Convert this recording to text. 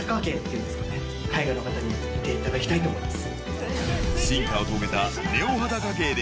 海外の方に見ていただきたいと思います。